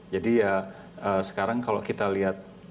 jadi ya sekarang kalau kita lihat